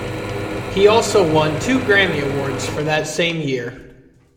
He also won two Grammy Awards for that same year.